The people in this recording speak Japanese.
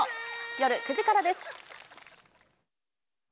夜９時からです。